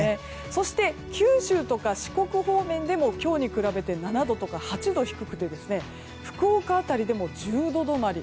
そして九州とか四国方面でも今日に比べて７度とか８度低くて福岡辺りでも１０度止まり。